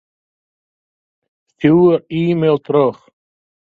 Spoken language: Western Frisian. Stjoer e-mail troch.